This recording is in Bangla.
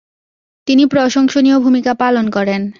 তিনি প্রশংসনীয় ভূমিকা পালন করেন।